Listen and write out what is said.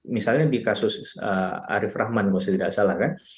misalnya di kasus arief rahman kalau saya tidak salah kan